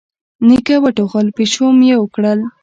نيکه وټوخل، پيشو ميو کړل.